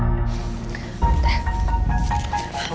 mikirin aja deh maku